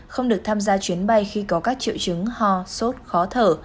không được tham gia chuyến bay khi có các triệu chứng ho sốt khó thở